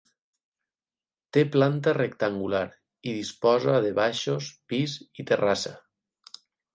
Té planta rectangular i disposa de baixos, pis i terrassa.